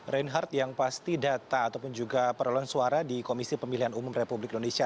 reinhardt yang pasti data ataupun juga perolehan suara di komisi pemilihan umum republik indonesia